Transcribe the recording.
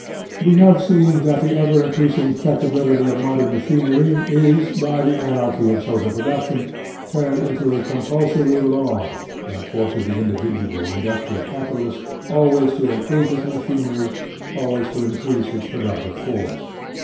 We have seen that the ever increasing perfectibility of modern machinery is, by the anarchy of social production, turned into a compulsory law that forces the in dividual industrial capitalist always to im prove his machinery always to increase its productive force.